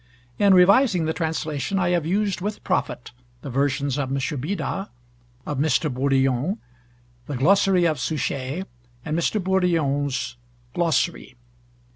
In revising the translation I have used with profit the versions of M. Bida, of Mr. Bourdillon, the glossary of Suchier, and Mr. Bourdillon's glossary.